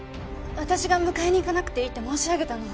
私が迎えに行かなくていいって申し上げたの。